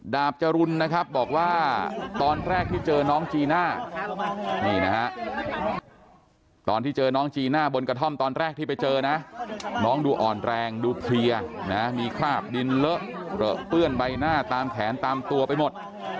จรุลนะครับบอกว่าตอนแรกที่เจอน้องจีน่านี่นะฮะตอนที่เจอน้องจีน่าบนกระท่อมตอนแรกที่ไปเจอนะน้องดูอ่อนแรงดูเพลียนะมีคราบดินเลอะเหลือเปื้อนใบหน้าตามแขนตามตัวไปหมด